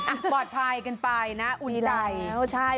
อ่าปลอดภัยกันไปนะดีใจดีใจใช่